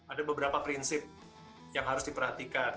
ada beberapa prinsip yang harus diperhatikan